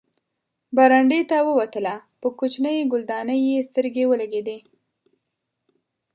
برنډې ته ووتله، په کوچنۍ ګلدانۍ یې سترګې ولګېدې.